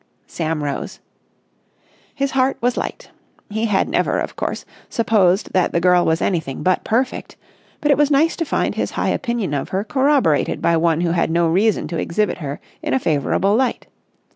Sam rose. His heart was light. He had never, of course, supposed that the girl was anything but perfect; but it was nice to find his high opinion of her corroborated by one who had no reason to exhibit her in a favourable light.